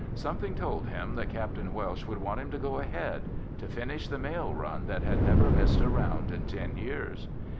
Something told him that Capt. Welsh would want him to go ahead—to finish the mail run that had never missed a round in ten years.